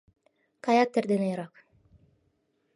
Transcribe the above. Каят эрден эрак.